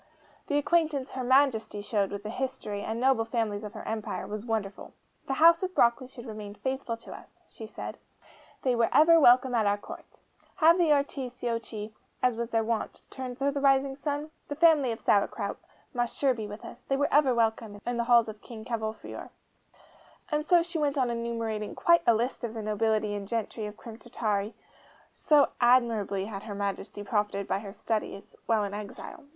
The acquaintance HER MAJESTY showed with the history, and noble families of her empire, was wonderful. 'The House of Broccoli should remain faithful to us,' she said; 'they were ever welcome at our Court. Have the Articiocchi, as was their wont, turned to the Rising Sun? The family of Sauerkraut must sure be with us they were ever welcome in the halls of King Cavolfiore.' And so she went on enumerating quite a list of the nobility and gentry of Crim Tartary, so admirably had Her Majesty profited by her studies while in exile.